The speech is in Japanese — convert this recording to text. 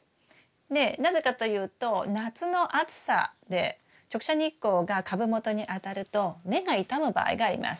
でなぜかというと夏の暑さで直射日光が株元に当たると根が傷む場合があります。